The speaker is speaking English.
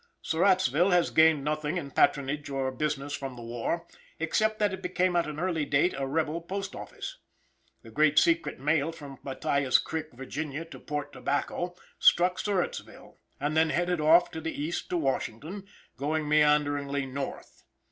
Surrattsville has gained nothing in patronage or business from the war, except that it became at an early date, a rebel postoffice. The great secret mail from Matthias Creek, Virginia, to Port Tobacco, struck Surrattsville, and thence headed off to the east to Washington, going meanderingly north.